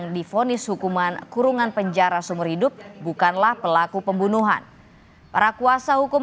di persidangan dan fakta hukum